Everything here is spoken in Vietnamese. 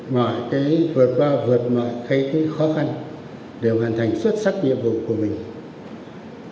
mọi cái vượt qua vượt mọi cái khó khăn đều hoàn thành xuất sắc nhiệm vụ của mình